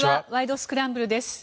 スクランブル」です。